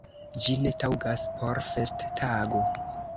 Ĝi ne taŭgas por festtago!